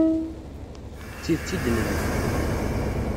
D tidet i d-nenna.